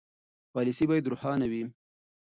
پالیسي باید روښانه وي.